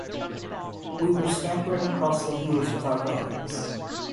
We were scampering across the hills with our guns.